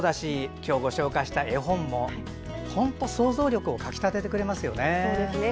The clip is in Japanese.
今日ご紹介した絵本も本当、想像力をかきたててくれますよね。